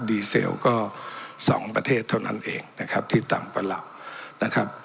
เซลก็สองประเทศเท่านั้นเองนะครับที่ต่ำกว่าเรานะครับ